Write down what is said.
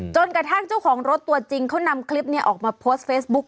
กระทั่งเจ้าของรถตัวจริงเขานำคลิปนี้ออกมาโพสต์เฟซบุ๊ค